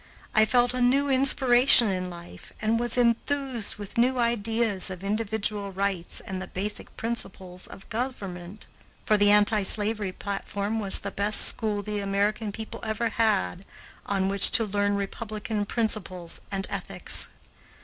I felt a new inspiration in life and was enthused with new ideas of individual rights and the basic principles of government, for the anti slavery platform was the best school the American people ever had on which to learn republican principles and ethics.